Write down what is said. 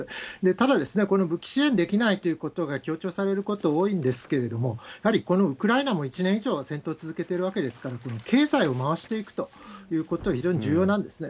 ただ、この武器支援できないということが強調されること多いんですけれども、やはりこのウクライナも１年以上戦闘続けてるわけですから、この経済を回していくということは非常に重要なんですね。